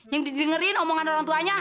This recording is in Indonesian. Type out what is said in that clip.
yang didengerin omongan orang tuanya